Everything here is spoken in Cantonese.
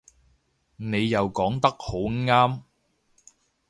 你又講得好啱